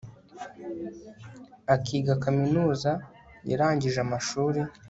akiga kaminuza yarangije amashuri